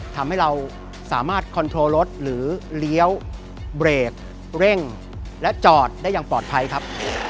ทำให้เราสามารถคอนโทรรถหรือเลี้ยวเบรกเร่งและจอดได้อย่างปลอดภัยครับ